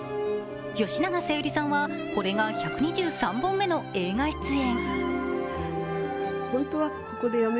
吉永小百合さんは、これが１２３本目の映画出演。